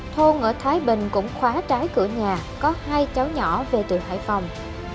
thôn ở thái bình cũng khóa trái cửa nhà có hai cháu nhỏ về từ hải phòng